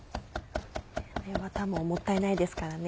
ワタももったいないですからね。